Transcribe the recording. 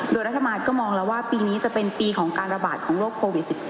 โดยรัฐบาลก็มองแล้วว่าปีนี้จะเป็นปีของการระบาดของโรคโควิด๑๙